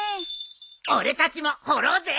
俺たちも掘ろうぜ！